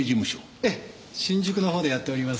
ええ新宿の方でやっております。